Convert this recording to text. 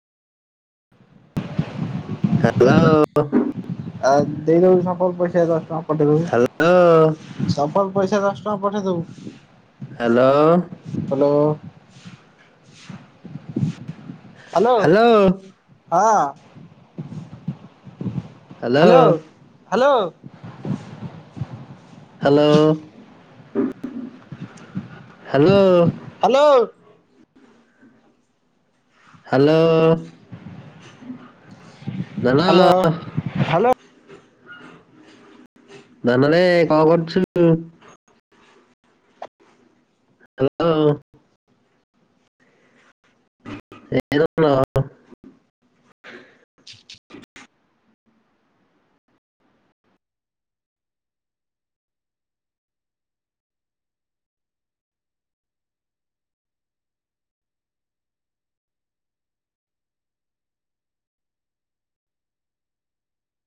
Hello. ଆଉ ଦେଇଦବୁ ସଫଳ ପଇସା ଦଶ ଟଙ୍କା ପଠେଇଦବୁ। ସ ଫଲ ପଇସା ଦଶ ଟଙ୍କା ପଠେଇଦବୁ। ହ୍ୟାଲୋ। ହ୍ୟାଲୋ। ହାଲୋ, ହଁ hello. Hello. Hello. Hello. Hello. Hello. Hello, hello. ଧନରେ କଣ କରୁଛୁ? ହ୍ୟାଲୋ। [inaudible] ଲ